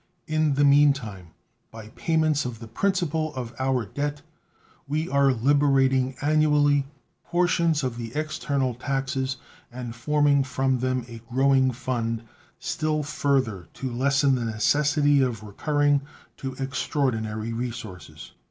In the mean time, by payments of the principal of our debt, we are liberating annually portions of the external taxes and forming from them a growing fund still further to lessen the necessity of recurring to extraordinary resources.